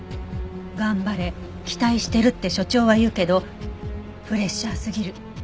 「頑張れ期待してるって所長は言うけどプレッシャーすぎる」